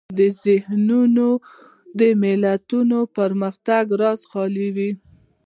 دا ذهنونه د ملتونو پرمختګ رازه خالي وي.